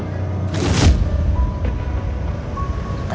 yang dilakukan andin kamu tau